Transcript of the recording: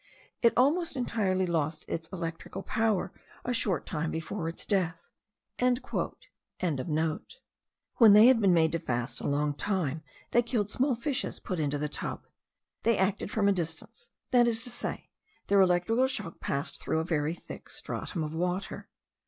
It almost entirely lost its electrical power a short time before its death.") When they had been made to fast a long time, they killed small fishes put into the tub. They acted from a distance; that is to say, their electrical shock passed through a very thick stratum of water.